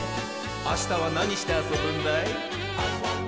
あしたはなにしてあそぶんだい？